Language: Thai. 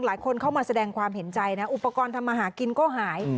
หลายคนเข้ามาแสดงความเห็นใจนะอุปกรณ์ทำมาหากินก็หาย